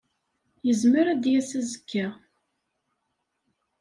Yezmer ad d-yas azekka.